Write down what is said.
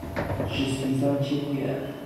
Je suis ingénieur.